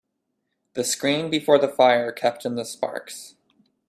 The screen before the fire kept in the sparks.